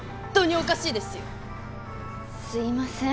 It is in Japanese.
すいません。